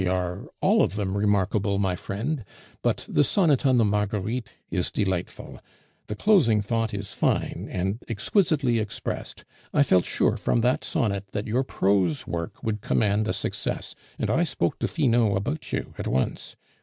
"They are all of them remarkable, my friend; but the sonnet on the Marguerite is delightful, the closing thought is fine, and exquisitely expressed. I felt sure from that sonnet that your prose work would command a success, and I spoke to Finot about you at once.